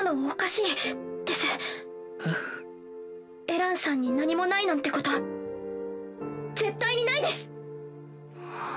エランさんに何もないなんてこと絶対にないです！